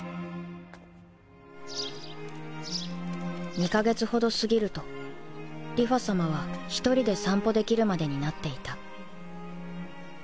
２か月ほど過ぎると梨花さまは１人で散歩できるまでになっていた